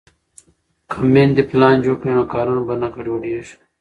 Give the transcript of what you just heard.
که میندې پلان جوړ کړي نو کارونه به نه ګډوډېږي.